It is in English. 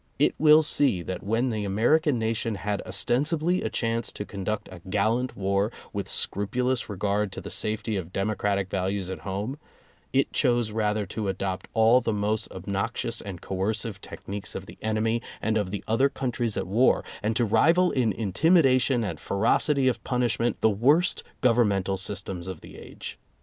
It will see that when the American nation had ostensibly a chance to con duct a gallant war, with scrupulous regard to the safety of democratic values at home, it chose rather to adopt all the most obnoxious and coercive techniques of the enemy and of the other countries at war, and to rival in intimidation and ferocity of punishment the worst governmental systems of the age.